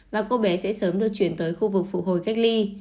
và cô bé sẽ sớm được chuyển tới khu vực phụ hồi cách ly